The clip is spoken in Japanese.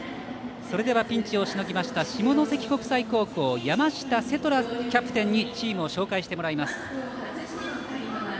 ピンチをしのぎました下関国際高校山下世虎キャプテンにチームを紹介してもらいます。